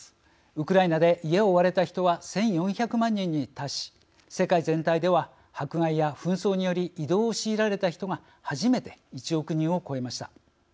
ウクライナで家を追われた人は１４００万人に達し世界全体では迫害や紛争により移動を強いられた人が初めて１億人を超えました。